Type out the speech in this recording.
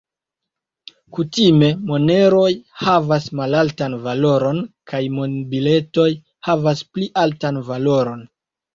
Kutime, moneroj havas malaltan valoron kaj monbiletoj havas pli altan valoron.